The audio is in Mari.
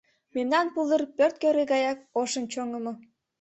Мемнан пулдыр — пӧрт кӧргӧ гаяк, ошын чоҥымо.